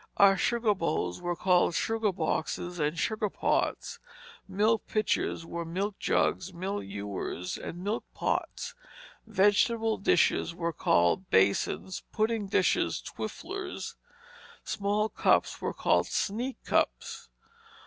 Our sugar bowls were called sugar boxes and sugar pots; milk pitchers were milk jugs, milk ewers, and milk pots. Vegetable dishes were called basins, pudding dishes twifflers, small cups were called sneak cups.